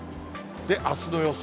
あすの予想